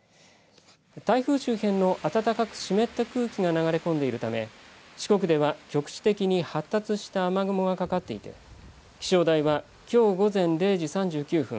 台風周辺の暖かく湿った空気が流れ込んでいるため四国では局地的に発達した雨雲がかかっていて気象台は、きょう午前０時３９分